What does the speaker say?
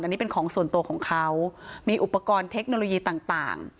อันนี้เป็นของส่วนตัวของเขามีอุปกรณ์เทคโนโลยีต่าง